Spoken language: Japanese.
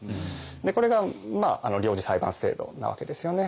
これが領事裁判制度なわけですよね。